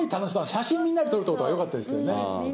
写真みんなで撮るとこよかったですよね。